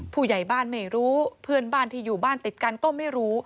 ผู้ใหญ่บ้านไม่รู้เพื่อนบ้านที่อยู่บ้านติดกันก็ไม่รู้